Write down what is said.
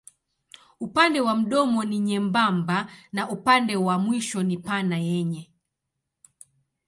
Upande wa mdomo ni nyembamba na upande wa mwisho ni pana yenye.